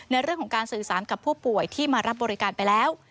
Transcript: ในเรื่องของการสื่อสารกับผู้ป่วยที่มารับบริการไปแล้ว